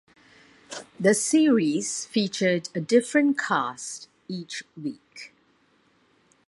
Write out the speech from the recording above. The series featured a different cast each week.